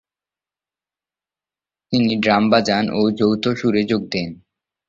তিনি ড্রাম বাজান ও যৌথ সুরে যোগ দেন।